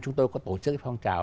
chúng tôi có tổ chức cái phong trào